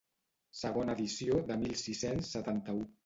Segona edició de mil sis-cents setanta-u.